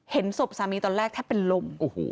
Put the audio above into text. เห็นศพสามีตอนแรกแทบเป็นลม